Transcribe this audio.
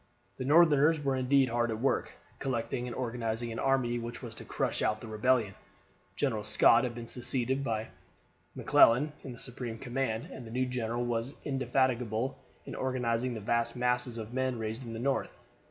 The Northerners were indeed hard at work, collecting and organizing an army which was to crush out the rebellion. General Scott had been succeeded by McClellan in the supreme command, and the new general was indefatigable in organizing the vast masses of men raised in the North.